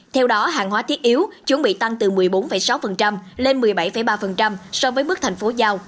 theo đó hàng hóa thiết yếu chuẩn bị tăng từ một mươi bốn sáu lên một mươi bảy ba so với mức thành phố giao